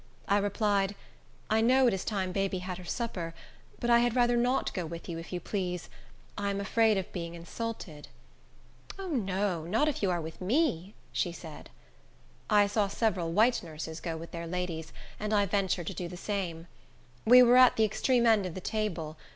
I replied, "I know it is time baby had her supper, but I had rather not go with you, if you please. I am afraid of being insulted." "O no, not if you are with me," she said. I saw several white nurses go with their ladies, and I ventured to do the same. We were at the extreme end of the table.